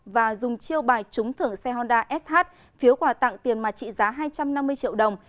và dùng chiêu bài trúng thưởng xe honda sh phiếu quà tặng tiền mà trị giá hai trăm năm mươi triệu đồng